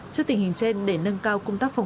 trước tình hình trên để nâng cao công tác phòng